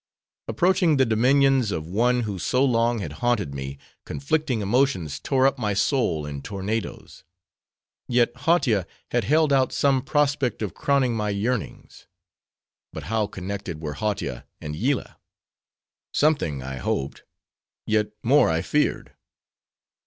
Approaching the dominions of one who so long had haunted me, conflicting emotions tore up my soul in tornadoes. Yet Hautia had held out some prospect of crowning my yearnings. But how connected were Hautia and Yillah? Something I hoped; yet more I feared.